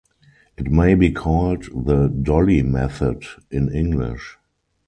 It may be called the "dolly method" in English.